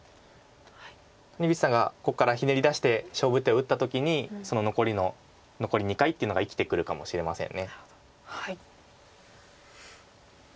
谷口さんがここからひねり出して勝負手を打った時にその残りの残り２回っていうのが生きてくるかもしれません。